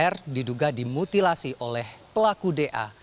r diduga dimutilasi oleh pelaku da